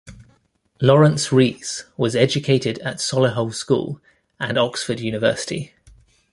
Laurence Rees was educated at Solihull School and Oxford University.